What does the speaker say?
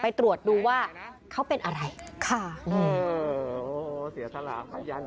ไปตรวจดูว่าเขาเป็นอะไรค่ะเออเสียทราบขยันไปหนึ่ง